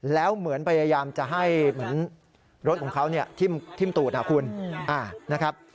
แล้วเหมือนพยายามจะให้เหมือนรถของเขาทิ้มตูดนะคุณนะครับ